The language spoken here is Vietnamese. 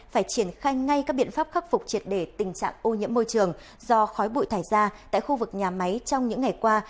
phải triển khai ngay các biện pháp khắc phục triệt để tình trạng ô nhiễm môi trường do khói bụi thải ra tại khu vực nhà máy trong những ngày qua